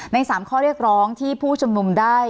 ในสามข้อเรียกร้องที่ผู้ชมมุมได้